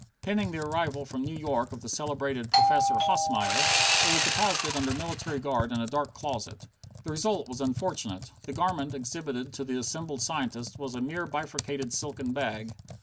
Pending the arrival from New York of the celebrated Professor Hosmeyer, it was deposited under military guard in a dark closet. The result was unfortunate. The garment exhibited to the assembled scientists was a mere bifurcated silken bag.